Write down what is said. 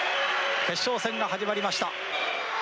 決勝戦が始まりました。